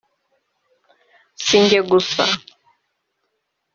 si njye gusa